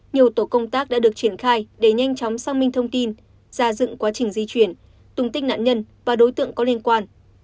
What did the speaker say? nhiều tổ công tác đã được triển khai để nhanh chóng sang minh thông tin ra dựng quá trình di chuyển tùng tích nạn nhân và đối tượng có liên quan